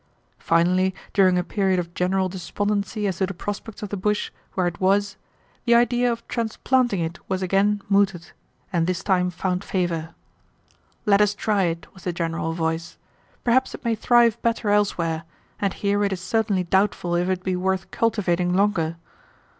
Finally, during a period of general despondency as to the prospects of the bush where it was, the idea of transplanting it was again mooted, and this time found favor. 'Let us try it,' was the general voice. 'Perhaps it may thrive better elsewhere, and here it is certainly doubtful if it be worth cultivating longer.'